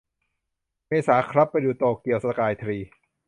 เมษาครับ ไปดูโตเกียวสกายทรี